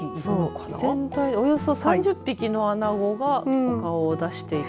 全体でおよそ３０匹のアナゴが顔を出していた。